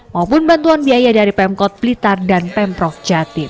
maupun bantuan biaya dari pemkot blitar dan pemprov jatim